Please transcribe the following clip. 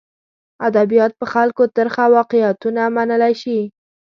ادبیات په خلکو ترخه واقعیتونه منلی شي.